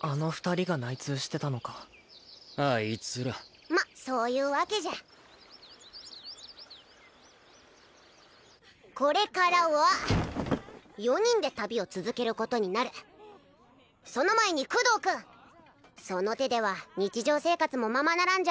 あの２人が内通してたのかあいつらまっそういうわけじゃこれからは４人で旅を続けることになるその前にクドー君その手では日常生活もままならん